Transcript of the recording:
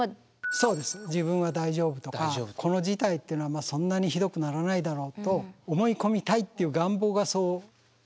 そうです「自分は大丈夫」とかこの事態っていうのはそんなにひどくならないだろうと思い込みたいっていう願望がそうなってしまうんですね。